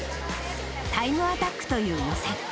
タイムアタックという予選。